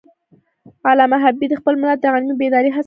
علامه حبیبي د خپل ملت د علمي بیدارۍ هڅه کړی ده.